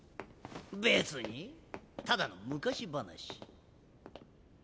別にただの昔話。